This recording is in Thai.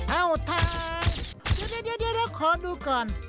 เอ้าทางเดี๋ยวขอดูก่อน